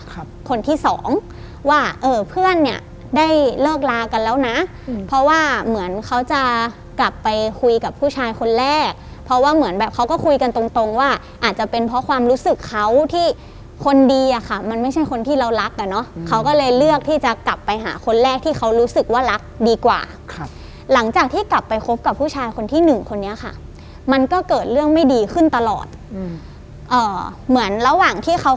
กับคนที่สองว่าเออเพื่อนเนี่ยได้เลิกลากันแล้วนะเพราะว่าเหมือนเขาจะกลับไปคุยกับผู้ชายคนแรกเพราะว่าเหมือนแบบเขาก็คุยกันตรงว่าอาจจะเป็นเพราะความรู้สึกเขาที่คนดีอ่ะค่ะมันไม่ใช่คนที่เรารักอ่ะเนาะเขาก็เลยเลือกที่จะกลับไปหาคนแรกที่เขารู้สึกว่ารักดีกว่าหลังจากที่กลับไปคบกับผู้ชายคนที่หนึ่งคนนี้ค่